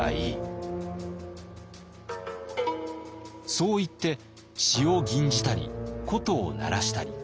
そう言って詩を吟じたり琴を鳴らしたり。